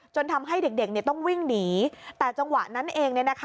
ทำให้เด็กต้องวิ่งหนีแต่จังหวะนั้นเอง